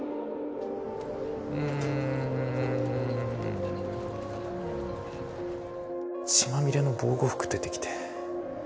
うん血まみれの防護服出てきて